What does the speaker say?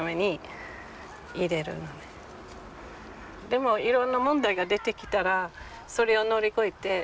でもいろんな問題が出てきたらそれを乗り越えて。